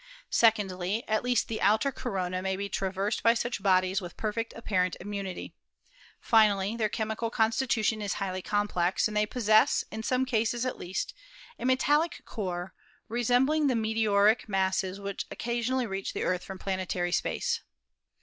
Secondly, at least the outer corona may be traversed by such bodies with perfect apparent immunity. Finally, their chemical constitution is highly complex, and they posssess, in some cases at 244 ASTRONOMY least, a metallic core resembling the meteoric masses which occasionally reach the Earth from planetary space."